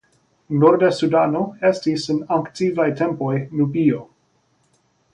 Norda Sudano estis en antikvaj tempoj Nubio.